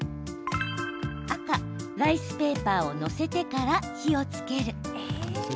赤・ライスペーパーを載せてから火をつける。